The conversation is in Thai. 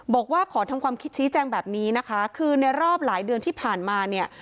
บอกว่าขอทำความคิดชี้แจงแบบนี้นะคะคือในรอบหลายเดือนที่ผ่านมาเนี่ย